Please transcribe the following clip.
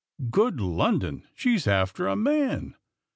Good London! she's after a man!